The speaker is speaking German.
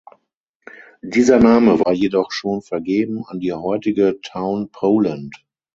Dieser Name war jedoch schon vergeben an die heutige Town Poland.